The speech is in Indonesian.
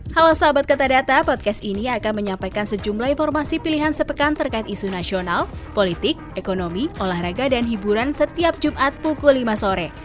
halo sahabat kata podcast ini akan menyampaikan sejumlah informasi pilihan sepekan terkait isu nasional politik ekonomi olahraga dan hiburan setiap jumat pukul lima sore